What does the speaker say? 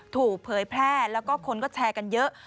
ถูกเผยแพร่แล้วก็คนก็แชร์กันเยอะ